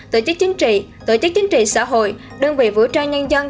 tổ chức chính trị tổ chức chính trị xã hội đơn vị vũ trang nhân dân